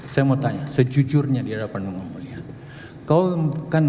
saya mau tanya sejujurnya di hadapan penghargaan